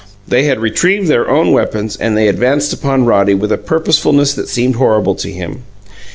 They had retrieved their own weapons, and they advanced upon Roddy with a purposefulness that seemed horrible to him.